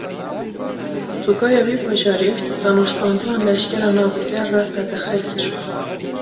Tugaya wî bajarî, danûstandina leşkeran a bi gel re qedexe kir